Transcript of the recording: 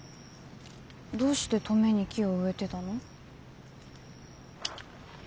どうして登米に木を植えてたの？